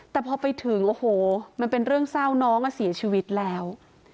แต่พอไปถึงโอ้โหมันเป็นเรื่องเศร้าน้องเสียชีวิตแล้ว